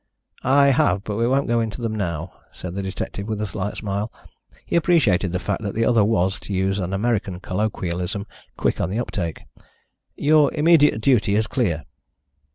"I have, but we won't go into them now," said the detective, with a slight smile. He appreciated the fact that the other was, to use an American colloquialism, "quick on the uptake." "Your immediate duty is clear."